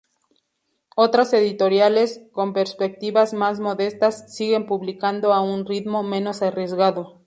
Otras editoriales, con perspectivas más modestas, siguen publicando a un ritmo menos arriesgado.